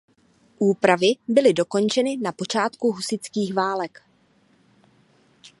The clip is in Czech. Úpravy byly dokončeny na počátku husitských válek.